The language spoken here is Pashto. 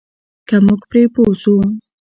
که موږ پرې پوه شو.